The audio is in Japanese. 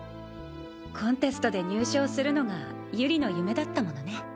コンテストで入賞するのがゆりの夢だったものね。